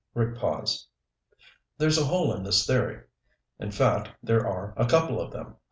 Rick paused. "There's a hole in this theory. In fact, there are a couple of them.